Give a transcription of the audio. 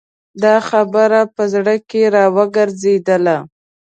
دا خبره په زړه کې را وګرځېدله.